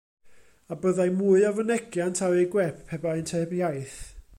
A byddai mwy o fynegiant ar eu gwep pe baent heb iaith.